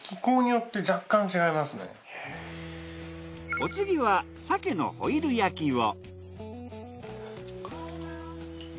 お次は鮭のホイル焼きを。